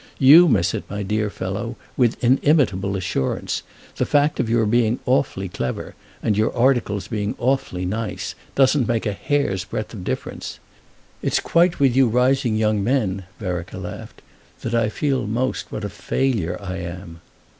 You miss it, my dear fellow, with inimitable assurance; the fact of your being awfully clever and your article's being awfully nice doesn't make a hair's breadth of difference. It's quite with you rising young men," Vereker laughed, "that I feel most what a failure I am!"